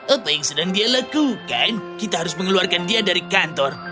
apa yang sedang dia lakukan kita harus mengeluarkan dia dari kantor